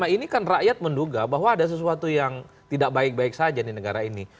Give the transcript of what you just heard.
ini kan rakyat menduga bahwa ada sesuatu yang tidak baik baik saja di negara ini